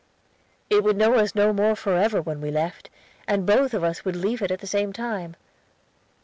It would know us no more forever when we left, and both of us would leave it at the same time.